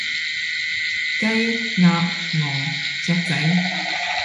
雞，鴨，鵝，雀仔